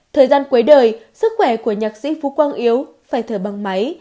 thời gian cuối đời sức khỏe của nhạc sĩ phú quang yếu phải thở bằng máy